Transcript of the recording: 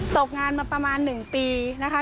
ตกงานมาประมาณหนึ่งปีนะคะ